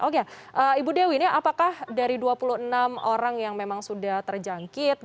oke ibu dewi ini apakah dari dua puluh enam orang yang memang sudah terjangkit